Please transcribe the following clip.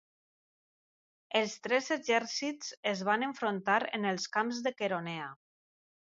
Els tres exèrcits es van enfrontar en els camps de Queronea.